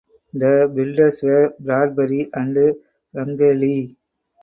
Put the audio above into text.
The builders were Bradbury and Rangeley.